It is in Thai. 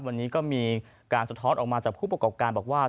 วันนี้ก็มีการสะท้อนออกมาจากผู้ประกอบการบอกว่า